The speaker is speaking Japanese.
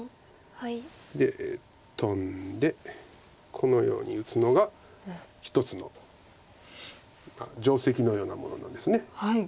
でトンでこのように打つのが一つの定石のようなものなんです。